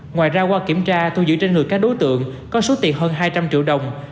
ngoài ra qua kiểm tra thu giữ trên người các đối tượng có số tiền hơn hai trăm linh triệu đồng